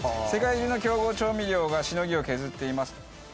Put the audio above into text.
世界中の強豪調味料がしのぎを削っています。